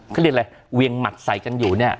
เขาเรียกอะไรเวียงหมัดใส่กันอยู่เนี่ย